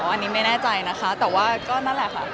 อันนี้ไม่แน่ใจนะคะแต่ว่าก็นั่นแหละค่ะ